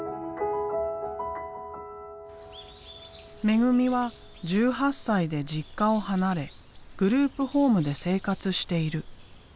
めぐみは１８歳で実家を離れグループホームで生活している。